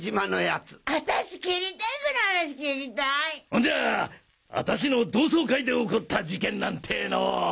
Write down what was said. ほんじゃ私の同窓会で起こった事件なんてのを！